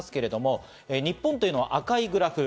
日本というのは赤いグラフ。